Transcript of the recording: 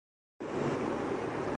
وولبر بچے کچھ بچے وولبر ہوتے ہیں۔